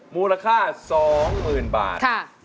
มูลค่า๒หมื่นบาท